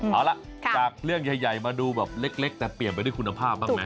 เอาล่ะจากเรื่องใหญ่มาดูแบบเล็กแต่เปลี่ยนไปด้วยคุณภาพบ้างไหม